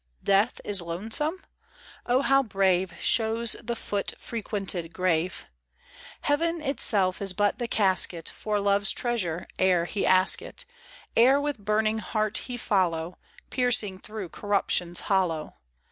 Death is lonesome ? Oh, how brave Shows the foot frequented grave 1 Heaven itself is but the casket For Love's treasure, ere he ask it. Ere with burning heart he follow, Piercing through corruption's hollow.